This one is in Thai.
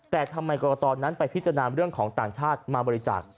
แต่ทำไมกรกตนั้นไปพิจารณาเรื่องของต่างชาติมาบริจาค